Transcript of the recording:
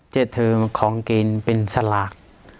เจ๊ถือของกินเป็นสลัก